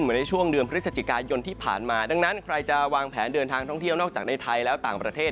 ในช่วงเดือนพฤศจิกายนที่ผ่านมาดังนั้นใครจะวางแผนเดินทางท่องเที่ยวนอกจากในไทยแล้วต่างประเทศ